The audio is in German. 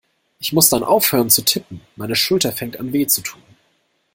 Ich muss dann aufhören zu tippen, meine Schulter fängt an weh zu tun.